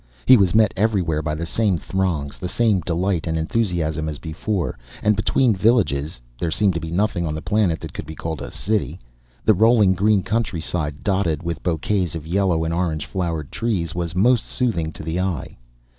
He was met everywhere by the same throngs, the same delight and enthusiasm as before; and between villages there seemed to be nothing on the planet that could be called a city the rolling green countryside, dotted with bosquets of yellow and orange flowered trees, was most soothing to the eye.